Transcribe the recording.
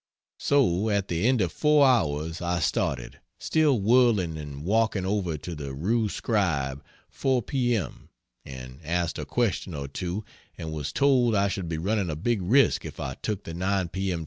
So, at the end of four hours I started, still whirling and walked over to the rue Scribe 4 P. M. and asked a question or two and was told I should be running a big risk if I took the 9 P. M.